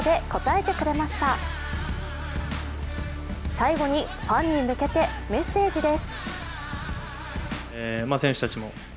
最後にファンに向けてメッセージです。